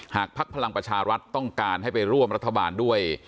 พักพลังประชารัฐต้องการให้ไปร่วมรัฐบาลด้วย